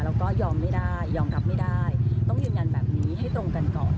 แล้วก็ยอมไม่ได้ยอมรับไม่ได้ต้องยืนยันแบบนี้ให้ตรงกันก่อน